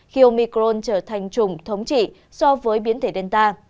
khi omicron trở thành chủng thống trị so với biến thể delta